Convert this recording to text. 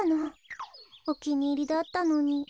おきにいりだったのに。